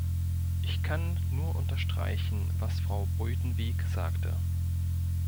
Ich kann nur unterstreichen, was Frau Buitenweg sagte.